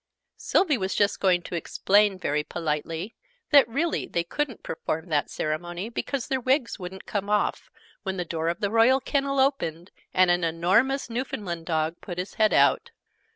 Sylvie was just going to explain, very politely, that really they couldn't perform that ceremony, because their wigs wouldn't come off, when the door of the Royal Kennel opened, and an enormous Newfoundland Dog put his head out.